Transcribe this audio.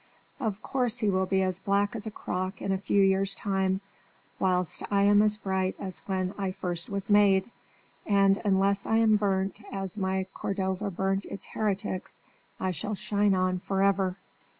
of course he will be as black as a crock in a few years' time, whilst I am as bright as when I first was made, and, unless I am burnt as my Cordova burnt its heretics, I shall shine on forever."